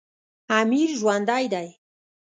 امیر ژوندی دی.